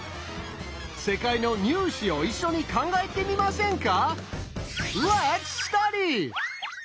世界の入試を一緒に考えてみませんか？